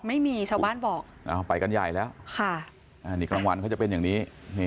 ไม่มีชาวบ้านบอกอ้าวไปกันใหญ่แล้วนี่กลางวันเขาจะเป็นอย่างนี้